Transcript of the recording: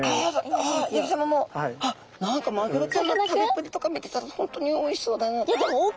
あ八木さまも。何かマグロちゃんの食べっぷりとか見てたら本当においしそうだなと。